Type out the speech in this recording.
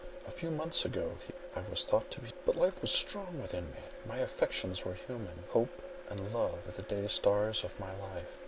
"A few months ago," he continued, "I was thought to be dying; but life was strong within me. My affections were human; hope and love were the day stars of my life.